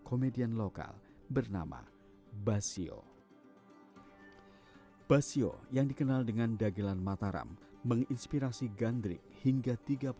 komedian lokal bernama basio basio yang dikenal dengan dagelan mataram menginspirasi gandrik hingga